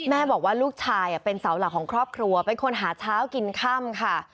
แม่บอกว่าลูกชายเป็นเสาหลักของครอบครัวเป็นคนหาเช้ากินค่ำค่ะ